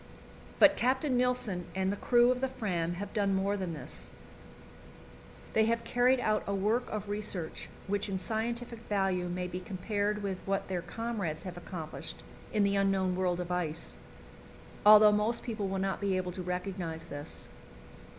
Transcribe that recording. But Captain Nilsen and the crew of the Fram have done more than this; they have carried out a work of research which in scientific value may be compared with what their comrades have accomplished in the unknown world of ice, although most people will not be able to recognize this.